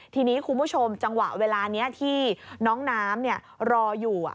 ทีนี้คุณผู้ชมจังหวะเวลานี้ที่น้องน้ำรออยู่